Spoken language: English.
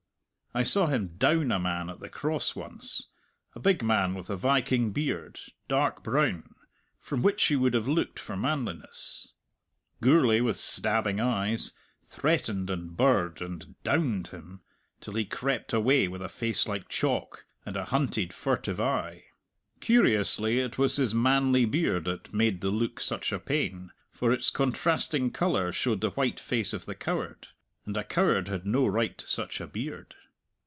I saw him "down" a man at the Cross once, a big man with a viking beard, dark brown, from which you would have looked for manliness. Gourlay, with stabbing eyes, threatened, and birred, and "downed" him, till he crept away with a face like chalk, and a hunted, furtive eye. Curiously it was his manly beard that made the look such a pain, for its contrasting colour showed the white face of the coward and a coward had no right to such a beard.